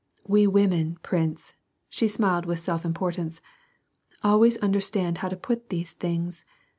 We women, prince," she smiled with self importance, "always understand how to put these things.